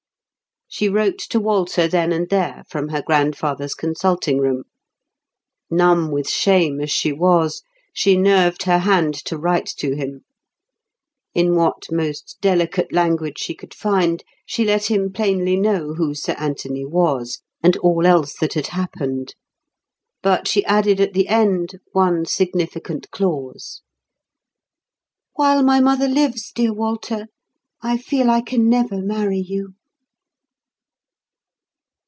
She wrote to Walter then and there, from her grandfather's consulting room. Numb with shame as she was, she nerved her hand to write to him. In what most delicate language she could find, she let him plainly know who Sir Anthony was, and all else that had happened. But she added at the end one significant clause: "While my mother lives, dear Walter, I feel I can never marry you."